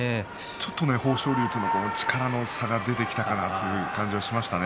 ちょっとね、豊昇龍との力の差が出てきたかなというのがありますね。